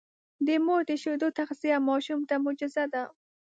د مور د شیدو تغذیه ماشوم ته معجزه ده.